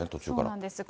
そうなんです。